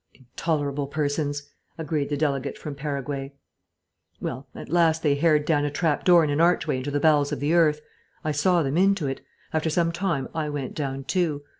"Intolerable persons," agreed the delegate from Paraguay. "Well, at last they hared down a trap door in an archway into the bowels of the earth. I saw them into it. After some time I went down too.